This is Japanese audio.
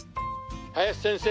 林先生